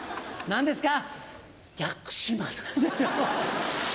何ですか？